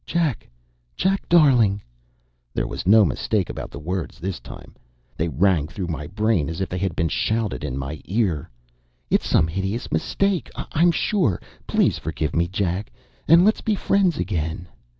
"Jack! Jack, darling!" (There was no mistake about the words this time: they rang through my brain as if they had been shouted in my ear.) "It's some hideous mistake, I'm sure. Please forgive me, Jack, and let's be friends again."